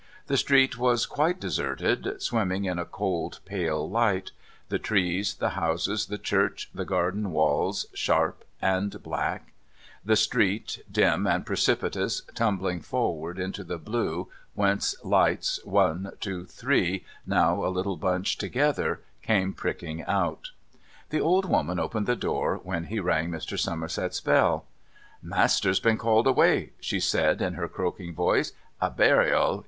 The street was quite deserted, swimming in a cold, pale light; the trees, the houses, the church, the garden walls, sharp and black; the street, dim and precipitous, tumbling forward into the blue, whence lights, one, two, three, now a little bunch together, came pricking out. The old woman opened the door when he rang Mr. Somerset's bell. "Master's been called away," she said in her croaking voice. "A burial.